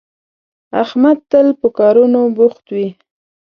احمد تل په کارونو بوخت وي